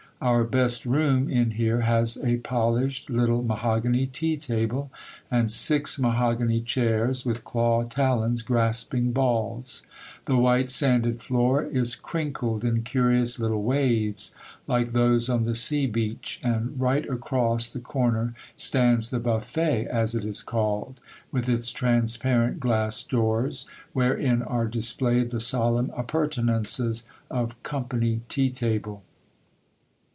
Our best room in here has a polished little mahogany tea table, and six mahogany chairs, with claw talons grasping balls; the white sanded floor is crinkled in curious little waves, like those on the sea beach; and right across the corner stands the 'buffet,' as it is called, with its transparent glass doors, wherein are displayed the solemn appurtenances of company tea table.